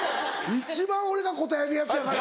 一番俺がこたえるやつやから。